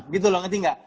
gitu loh ngerti nggak